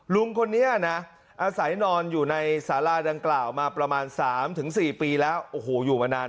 ลุงคนนี้นะอาศัยนอนอยู่ในสาราดังกล่าวมาประมาณ๓๔ปีแล้วโอ้โหอยู่มานาน